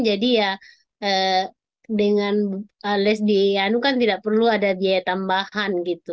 jadi ya dengan les di ianu kan tidak perlu ada biaya tambahan gitu